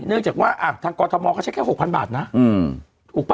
เนื่องจากทางกอทมก็ใช้แค่๖๐๐๐บาทนะเว้ยถูกปะ